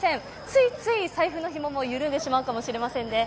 ついつい財布のひもも緩んでしまうかもしれませんね。